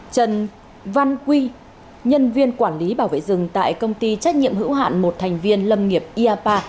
trần văn quy nhân viên quản lý bảo vệ rừng tại công ty trách nhiệm hữu hạn một thành viên lâm nghiệp iapa